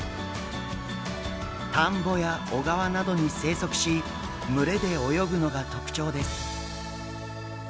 田んぼや小川などに生息し群れで泳ぐのが特徴です。